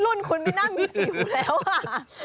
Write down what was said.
รุ่นคุณไม่น่ามีสิวแล้วค่ะ